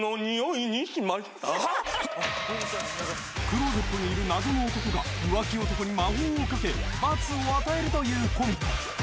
［クローゼットにいる謎の男が浮気男に魔法をかけ罰を与えるというコント］